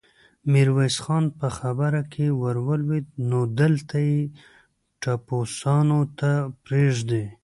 ميرويس خان په خبره کې ور ولوېد: نو دلته يې ټپوسانو ته پرېږدې؟